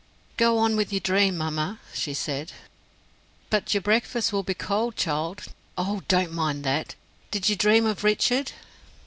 "Go on with your dream, mamma," she said. "But your breakfast will be cold, child." "Oh, don't mind that. Did you dream of Richard?"